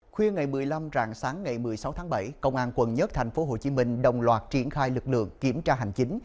khuya ngày một mươi năm rạng sáng ngày một mươi sáu tháng bảy công an quận một tp hcm đồng loạt triển khai lực lượng kiểm tra hành chính